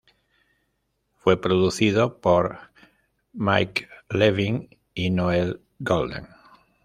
Fue producido por Mike Levine y Noel Golden.